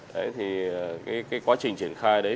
thế thì cái quá trình triển khai đấy